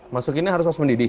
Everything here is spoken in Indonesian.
masukinnya harus pas mendidih